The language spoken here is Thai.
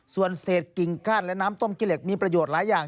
ส่วนเศษกิ่งกั้นและน้ำต้มขี้เหล็กมีประโยชน์หลายอย่าง